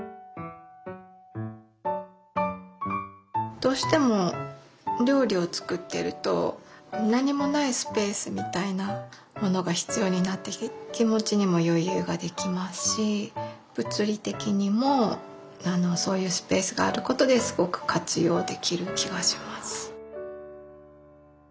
どうしても料理を作ってると何もないスペースみたいなものが必要になってきて気持ちにも余裕ができますし物理的にもそういうスペースがあることですごく活用できる気がします。